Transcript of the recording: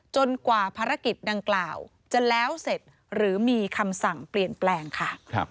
กว่าภารกิจดังกล่าวจะแล้วเสร็จหรือมีคำสั่งเปลี่ยนแปลงค่ะ